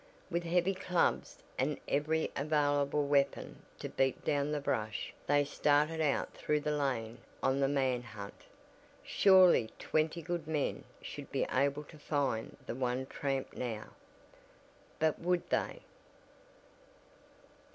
With heavy clubs and every available weapon to beat down the brush they started out through the lane on the man hunt. Surely twenty good men should be able to find the one "tramp" now. But would they?